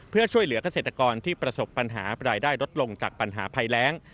เพื่อช่วยเหลือกเกษตรกรที่ประสบปัญหารายได้ลดลงจากปัญหาภัยแรง